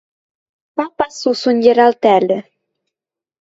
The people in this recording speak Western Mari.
Папа сусун йӹрӓлтӓльӹ